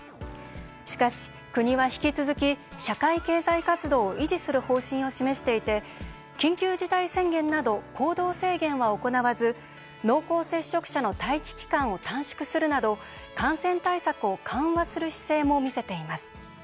しかし、国は引き続き社会経済活動を維持する方針を示していて緊急事態宣言など行動制限は行わず濃厚接触者の待機期間を短縮するなど感染対策を緩和する姿勢も見せています。